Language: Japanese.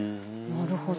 なるほど。